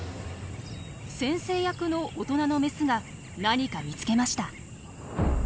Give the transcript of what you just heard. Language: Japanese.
先生役の大人のメスが何か見つけました。